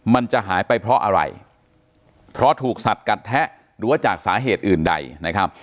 มันจะหายไปเพราะอะไรเพราะถูกสัดกัดแทะหรือว่าจากสาเหตุอื่นใดนะครับ